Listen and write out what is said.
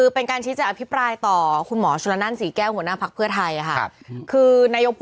เป็นการชี้แจงจะอภิปรายต่อขุมชุณละนั่นสีแก้วหัวหน้าผักเพื่อไทย